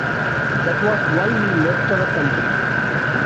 That was why we left our country.